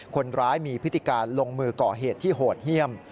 คนร้ายมีพฤติการลงมือก่อเหตุที่โหดเยี่ยม